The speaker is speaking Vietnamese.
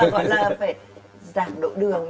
nhưng mà gọi là phải giảm độ đường đi đúng không ạ